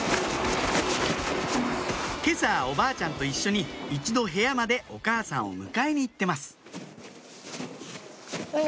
今朝おばあちゃんと一緒に一度部屋までお母さんを迎えに行ってます